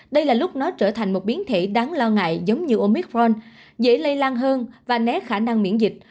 đây là lúc nó trở thành một biến thể đáng lo ngại giống như omitforn dễ lây lan hơn và né khả năng miễn dịch